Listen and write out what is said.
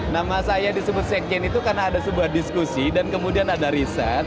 nama saya disebut sekjen itu karena ada sebuah diskusi dan kemudian ada riset